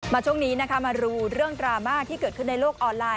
ช่วงนี้นะคะมารู้เรื่องดราม่าที่เกิดขึ้นในโลกออนไลน